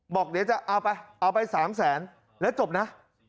บอกเดี๋ยวจะเอาไปเอาไป๓แสนแล้วจบนะ